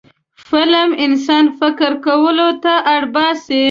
فلم انسان فکر کولو ته اړ باسي